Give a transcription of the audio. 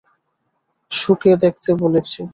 শুঁকে দেখতে বলেছি।